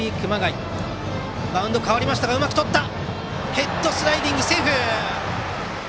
ヘッドスライディングでセーフ！